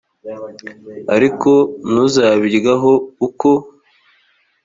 ariko ntuzabiryaho uko